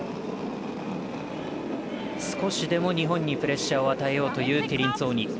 少しでも日本にプレッシャーを与えようというティリンツォーニ。